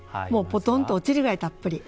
ポトンと落ちるぐらいたっぷり。